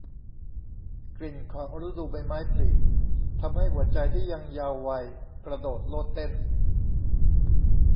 กลิ่นของฤดูใบไม้ผลิทำให้หัวใจที่ยังเยาว์วัยกระโดดโลดเต้น